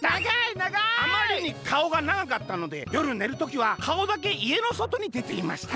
「あまりにかおがながかったのでよるねる時はかおだけいえのそとにでていました」。